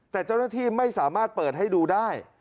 แต่เจ้าหน้าที่ไม่สามารถเปิดให้ดูได้